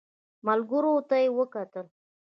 ملګرو ته يې وکتل.